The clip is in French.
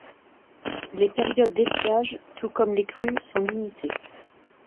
Les périodes d’étiage, tout comme les crues, sont limitées.